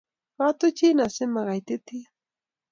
Katuchin asimakaitityin